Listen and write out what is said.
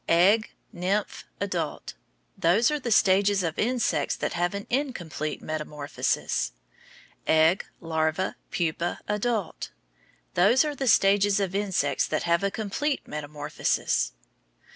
Egg, nymph, adult, those are the stages of insects that have an incomplete metamorphosis. Egg, larva, pupa, adult, those are the stages of insects that have a complete metamorphosis.